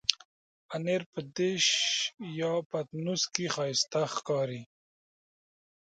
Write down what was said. پنېر په ډش یا پتنوس کې ښايسته ښکاري.